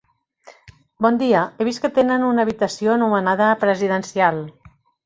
Bon dia, he vist que tenen una habitació anomenada Presidencial.